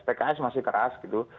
pks masih keras gitu